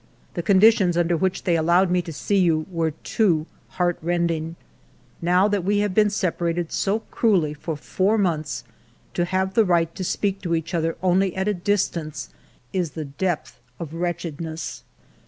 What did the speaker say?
The conditions underwhich they allowed me to see you were too heartrending ! Now that we have been separated so cruelly for four months, to have the right to speak to each other only at a distance is the depth of wretchedness.